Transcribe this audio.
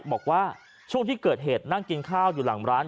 บอกว่าช่วงที่เกิดเหตุนั่งกินข้าวอยู่หลังร้าน